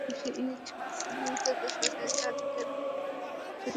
দেশে ইলিশ মাছ নিয়ে বিতর্ক শুরু হওয়ায় আয়োজকেরা সেটি বাদ দিয়েছেন।